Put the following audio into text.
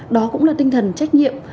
đó cũng là tinh thần trách nhiệm